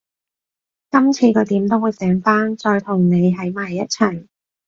今次佢點都會醒返，再同你喺埋一齊